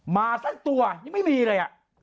มาสักตัวยังไม่มีเลย